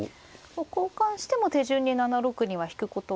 交換しても手順に７六には引くことは。